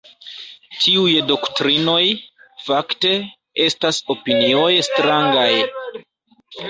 Tiuj doktrinoj, fakte, estas opinioj strangaj”.